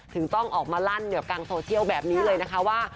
ถึงต้องออกมาลั่นกลางโซเชียลแบบนี้เลยนะคะว่า